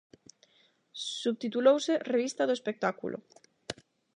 Subtitulouse "Revista do espectáculo".